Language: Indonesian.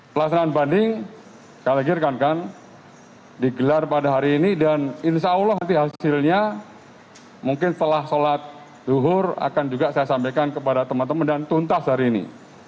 pelaksanaan banding sekali lagi rekan rekan digelar pada hari ini dan insya allah nanti hasilnya mungkin setelah sholat duhur akan juga saya sampaikan kepada teman teman dan tuntas hari ini